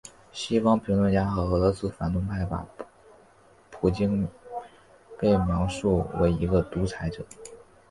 西方评论家和俄罗斯反对派把普京被描述为一个独裁者。